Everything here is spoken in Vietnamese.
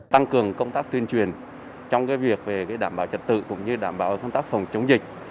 tăng cường công tác tuyên truyền trong việc về đảm bảo trật tự cũng như đảm bảo công tác phòng chống dịch